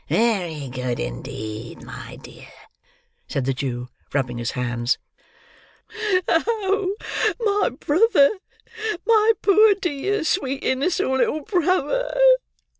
Very good indeed, my dear!" said the Jew, rubbing his hands. "Oh, my brother! My poor, dear, sweet, innocent little brother!"